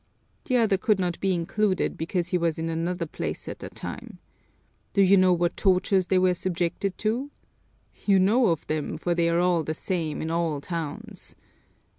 The other could not be included because he was in another place at the time. Do you know what tortures they were subjected to? You know of them, for they are the same in all the towns!